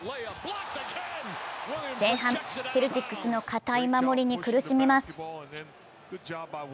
前半、セルティックスの堅い守りに苦しみます。